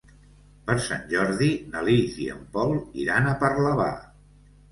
Per Sant Jordi na Lis i en Pol iran a Parlavà.